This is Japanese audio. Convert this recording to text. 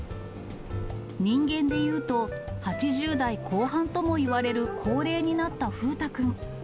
人間で言うと８０代後半ともいわれる高齢になった風太くん。